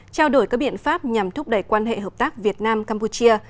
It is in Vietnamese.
trao đổi các biện pháp nhằm thúc đẩy quan hệ hợp tác việt nam campuchia